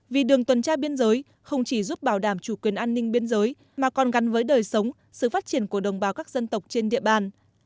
vì đường tuần tra biên giới không chỉ giúp bảo đảm chủ quyền an ninh biên giới mà còn gắn với đời sống sự phát triển của đồng bào các dân tộc trên địa bàn